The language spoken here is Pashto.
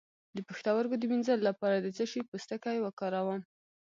د پښتورګو د مینځلو لپاره د څه شي پوستکی وکاروم؟